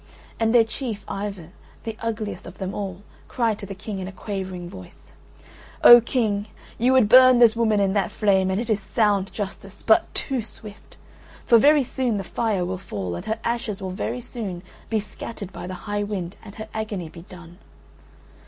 And their chief Ivan, the ugliest of them all, cried to the King in a quavering voice: "O King, you would burn this woman in that flame, and it is sound justice, but too swift, for very soon the fire will fall, and her ashes will very soon be scattered by the high wind and her agony be done.